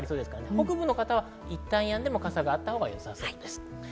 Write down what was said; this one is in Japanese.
北部の方はいったんやんでも傘があったほうがよさそうです。